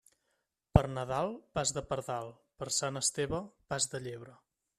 Per Nadal, pas de pardal; per Sant Esteve, pas de llebre.